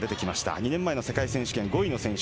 ２年前の世界選手権５位の選手。